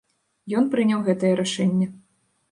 Ён прыняў гэтае рашэнне.